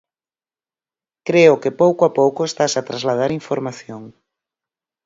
Creo que pouco a pouco estase a trasladar información.